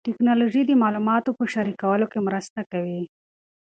ټیکنالوژي د معلوماتو په شریکولو کې مرسته کوي.